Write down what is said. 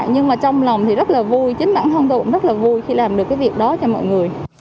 nhưng mà trong lòng thì rất là vui chính bản thân tôi cũng rất là vui khi làm được cái việc đó cho mọi người